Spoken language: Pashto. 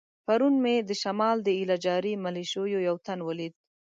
پرون مې د شمال د ایله جاري ملیشو یو تن ولید.